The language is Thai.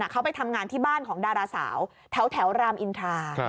เขาไปทำงานที่บ้านของดาราสาวแถวรามอินทรา